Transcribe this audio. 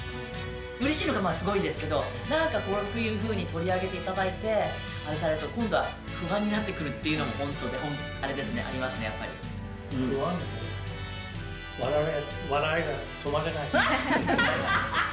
うれしいのが、まあ、すごいんですけど、なんかこういうふうに取り上げていただいて、今度は不安になってくるっていうのがあれですね、ありますね、不安だけど、笑いが止まらない。